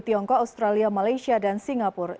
tiongkok australia malaysia dan singapura